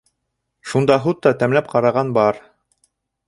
Шунда һут та тәмләп ҡараған бар.